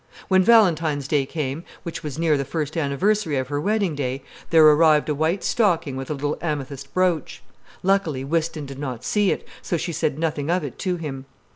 When Valentine's day came, which was near the first anniversary of her wedding day, there arrived a white stocking with a little amethyst brooch. Luckily Whiston did not see it, so she said nothing of it to him.